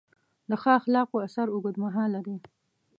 د ښو اخلاقو اثر اوږدمهاله دی.